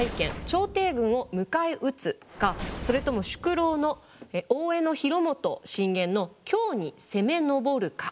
朝廷軍を迎え撃つかそれとも宿老の大江広元進言の京に攻めのぼるか。